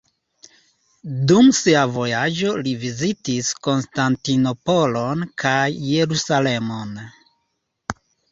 Dum sia vojaĝo li vizitis Konstantinopolon kaj Jerusalemon.